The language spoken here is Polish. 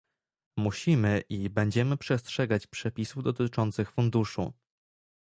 Musimy i będziemy przestrzegać przepisów dotyczących Funduszu